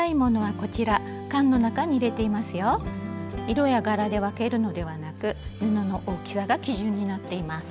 色や柄で分けるのではなく布の大きさが基準になっています。